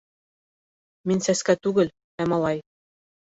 — Мин сәскә түгел, ә малай.